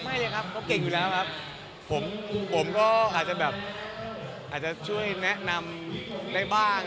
ไม่เลยครับเขาเก่งอยู่แล้วครับผมผมก็อาจจะแบบอาจจะช่วยแนะนำได้บ้าง